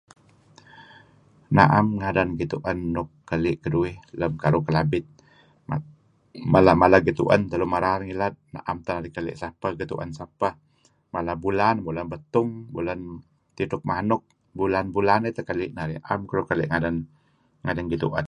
Naem ngadan gituen nuk keli' keduih lam Kalabit. Mala-mala gituen teh lun merar nglad naem teh narih keli' guen sapeh. Mala ayu' bulan Bulan Betung, Bulan Tidtuk Manuk. Bulan-bulan tah keli' narih. Naem keduih keli' ngadan gituen.